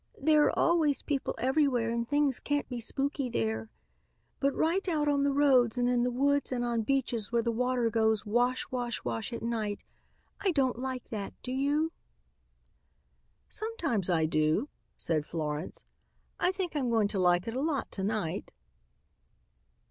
There are always people everywhere and things can't be spooky there, but right out on the roads and in the woods and on beaches where the water goes wash wash wash at night, I don't like that, do you?" "Sometimes I do," said Florence. "I think I'm going to like it a lot to night."